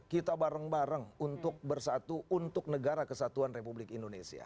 kita bareng bareng untuk bersatu untuk negara kesatuan republik indonesia